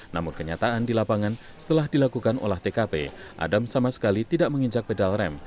namun kenyataan di lapangan setelah dilakukan olah tkp adam sama sekali tidak menginjak pedal rem